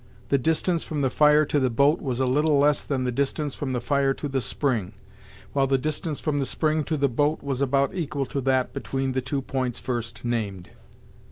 The distance from the fire to the boat was a little less than the distance from the fire to the spring, while the distance from the spring to the boat was about equal to that between the two points first named.